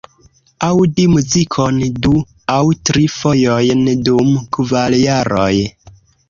Aŭdi muzikon du aŭ tri fojojn dum kvar jaroj!